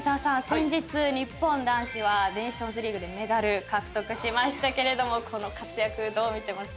先日日本男子はネーションズリーグでメダル獲得しましたがこの活躍どう見てます？